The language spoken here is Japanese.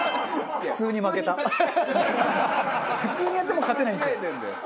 普通にやっても勝てないんですよ。